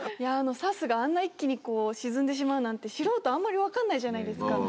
砂州があんな一気にこう沈んでしまうなんて素人あんまり分かんないじゃないですか。